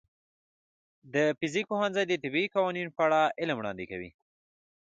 د فزیک پوهنځی د طبیعي قوانینو په اړه علم وړاندې کوي.